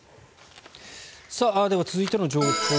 では、続いての情報。